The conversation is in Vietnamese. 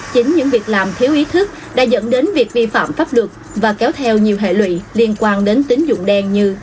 chính những việc làm thiếu ý thức đã dẫn đến việc vi phạm pháp luật và kéo theo nhiều hệ lụy liên quan đến tính dụng đen như